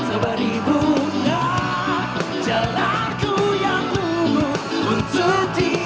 seberi bunga jalanku yang tumbuh untuk diriku